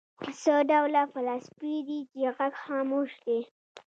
څه ډول فلاسفې دي چې غږ خاموش دی.